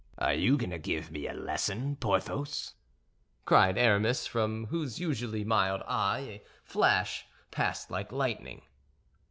"Are you going to give me a lesson, Porthos?" cried Aramis, from whose usually mild eye a flash passed like lightning.